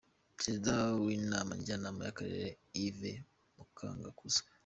Perezida w’inama Njyanama y’Akarere Yves Mungakuzwe.